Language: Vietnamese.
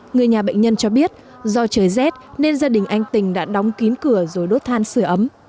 người nhà bệnh nhân cho biết do trời rét nên gia đình anh tình đã đóng kín cửa rồi đốt than sửa ấm